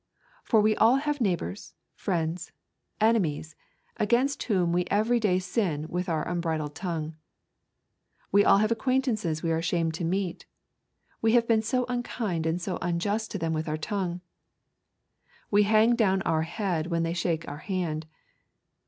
For we all have neighbours, friends, enemies, against whom we every day sin with our unbridled tongue. We all have acquaintances we are ashamed to meet, we have been so unkind and so unjust to them with our tongue. We hang down our head when they shake our hand.